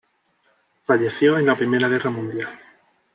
Falleció en la Primera Guerra Mundial.